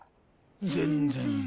全然。